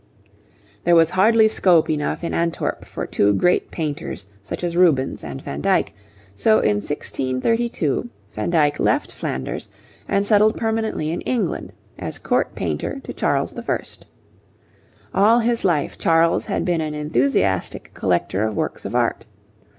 There was hardly scope enough in Antwerp for two great painters such as Rubens and Van Dyck, so in 1632 Van Dyck left Flanders and settled permanently in England, as Court painter to Charles I. All his life Charles had been an enthusiastic collector of works of art.